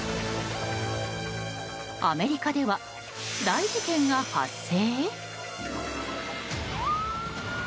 アメリカでは、大事件が発生？